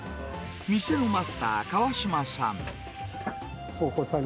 店のマスター、川島さん。